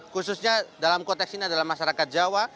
khususnya dalam konteks ini adalah masyarakat jawa